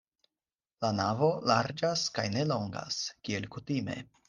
La navo larĝas kaj ne longas, kiel kutime.